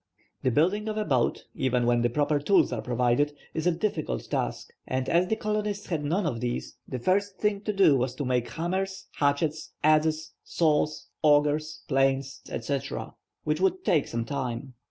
The building of a boat, even when the proper tools are provided, is a difficult task, and as the colonists had none of these, the first thing to do was to make hammers, hatchets, adzes, saws, augers, planes, etc., which would take some time.